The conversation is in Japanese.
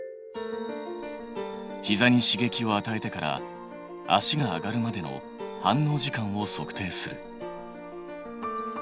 ひざに刺激をあたえてから足が上がるまでの反応時間を測定する。